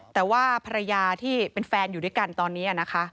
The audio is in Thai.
แต่ว่าภรรยาที่เป็นแฟนอยู่ด้วยกันตอนนี้นะคะ